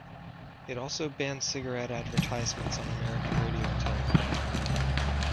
It also banned cigarette advertisements on American radio and television.